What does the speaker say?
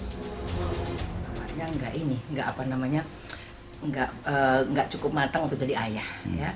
namanya nggak ini nggak cukup matang untuk jadi ayah